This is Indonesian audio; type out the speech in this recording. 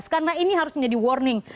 karena ini harus menjadi warning